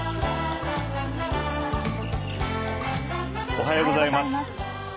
おはようございます。